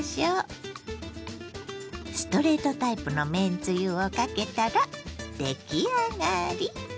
ストレートタイプのめんつゆをかけたら出来上がり。